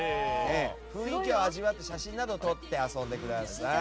雰囲気を味わって写真などを撮って遊んでください。